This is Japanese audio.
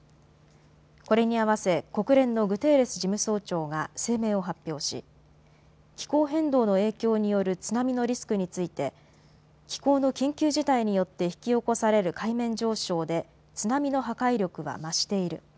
これに合わせ国連のグテーレス事務総長が声明を発表し気候変動の影響による津波のリスクについて気候の緊急事態によって引き起こされる海面上昇で津波の破壊力は増している。